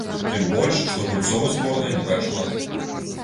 Тым больш, што гульцоў у зборнай не так шмат.